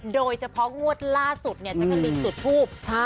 โดยเฉพาะงวดล่าสุดเนี่ยจังหลีสุดทูป